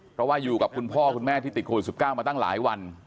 เพราะว่าอยู่กับคุณพ่อคุณแม่ที่ติดโควิด๑๙มาตั้งหลายวัน